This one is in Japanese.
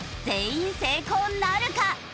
全員成功なるか？